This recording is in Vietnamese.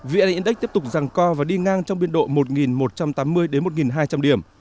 vn index tiếp tục rằng co và đi ngang trong biên độ một một trăm tám mươi một hai trăm linh điểm